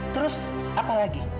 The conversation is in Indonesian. terus apa lagi